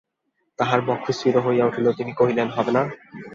তাঁহার বক্ষ স্ফীত হইয়া উঠিল, তিনি কহিলেন, হবে না?